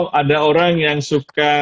atau ada orang yang bisa bikin lagi gitu kan